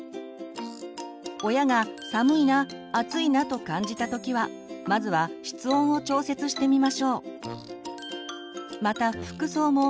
親が「寒いな」「暑いな」と感じた時はまずは室温を調節してみましょう。